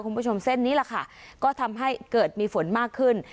คุณผู้ชมเส้นนี้แหละค่ะก็ทำให้เกิดมีฝนมากขึ้น